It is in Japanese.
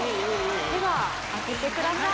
では開けてください。